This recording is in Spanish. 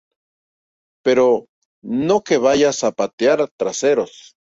Pero no que vayas a patear traseros.